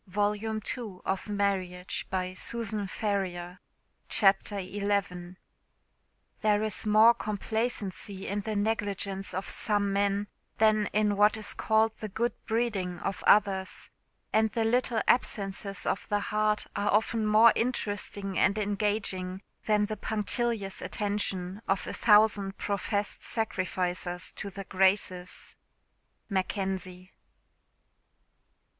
do I indeed find you thus?" CHAPTER Xl "There is more complacency in the negligence of some men, than in what is called the good breeding of others; and the little absences of the heart are often more interesting and engaging than the punctilious attention of a thousand professed sacrificers to the graces." MACKENZIE.